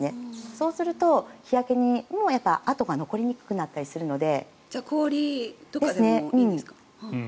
そうすると、日焼けも痕が残りにくくなったりするので。